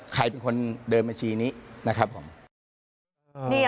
ใครเป็นคนเดินบัญชีนี้